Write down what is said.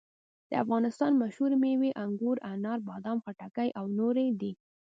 د افغانستان مشهورې مېوې انګور، انار، بادام، خټکي او نورې دي.